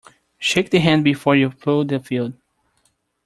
Shake the hand before you plough the field.